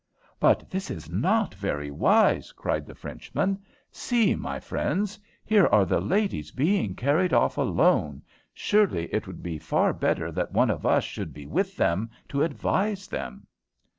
"But this is not very wise," cried the Frenchman. "See, my friends! Here are the ladies being carried off alone. Surely it would be far better that one of us should be with them to advise them."